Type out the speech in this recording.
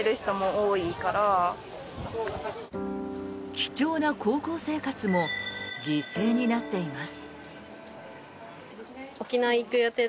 貴重な高校生活も犠牲になっています。